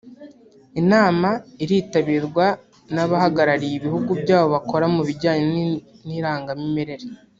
Inama iritabirwa n’abahagarariye ibihugu byabo bakora mu bijyanye n’irangamimere